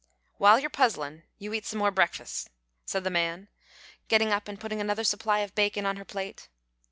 "While you're puzzlin' you eat some more breakfus'," said the man, getting up and putting another supply of bacon on her plate.